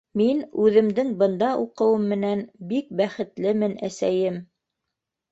Мин үҙемдең бында уҡыуым менән бик бәхетлемен, әсәйем!